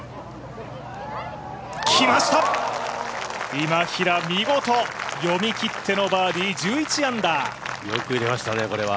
今平見事、読み切ってのバーディー、１１アンダー。